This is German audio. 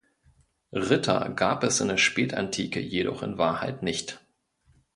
Ritter gab es in der Spätantike jedoch in Wahrheit nicht.